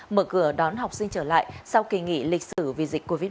mở cửa đón học sinh trở lại sau kỳ nghỉ